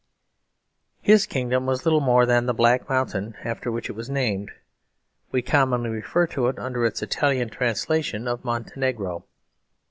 His kingdom was little more than the black mountain after which it was named: we commonly refer to it under its Italian translation of Montenegro.